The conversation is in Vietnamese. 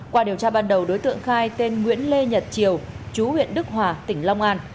qua điều tra ban đầu đối tượng khai tên nguyễn lê nhật triều chú huyện đức hòa tỉnh long an